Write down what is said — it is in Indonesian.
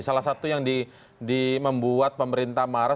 salah satu yang membuat pemerintah marah